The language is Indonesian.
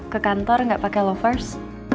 ke kantor gak pake lovers